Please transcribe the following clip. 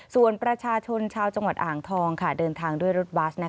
ส่วนประชาชนชาวจังหวัดอ่างทองเดินทางด้วยรถบัส